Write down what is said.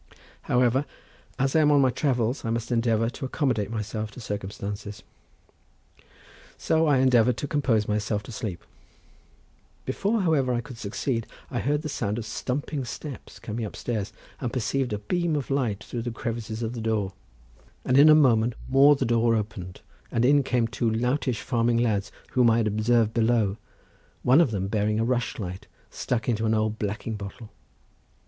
However, as I am on my travels, I must endeavour to accommodate myself to circumstances." So I endeavoured to compose myself to sleep; before, however, I could succeed, I heard the sound of stumping steps coming upstairs; and perceived a beam of light through the crevices of the door, and in a moment more the door opened and in came two loutish farming lads whom I had observed below, one of them bearing a rushlight stuck in an old blacking bottle.